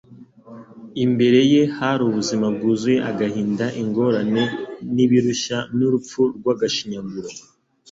Imbere ye hari ubuzima bwuzuye agahinda, ingorane, n'ibirushya, n'urupfu rw'agashinyaguro